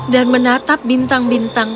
dan menatap bintang bintang